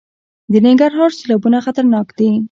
د ننګرهار سیلابونه خطرناک دي